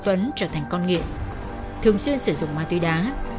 tuấn trở thành con nghiện thường xuyên sử dụng ma túy đá